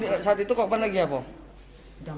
di lahir saat itu korban lagi apa